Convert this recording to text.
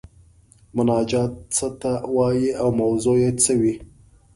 مناجات څه ته وايي او موضوع یې څه وي؟